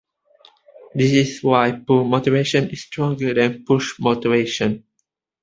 That is why pull motivation is stronger than push motivation.